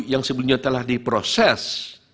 yang sebelumnya telah diproses